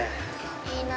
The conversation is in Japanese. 「いいな！